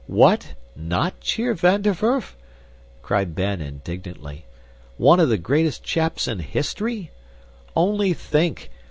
"What? Not cheer Van der Werf?" cried Ben, indignantly. "One of the greatest chaps in history? Only think!